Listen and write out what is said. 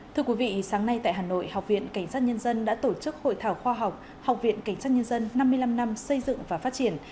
thưa quý vị sáng nay tại hà nội học viện cảnh sát nhân dân đã tổ chức hội thảo khoa học học viện cảnh sát nhân dân năm mươi năm năm xây dựng và phát triển